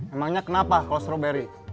emangnya kenapa kalau strawberry